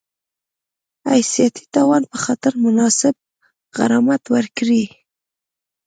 حیثیتي تاوان په خاطر مناسب غرامت ورکړي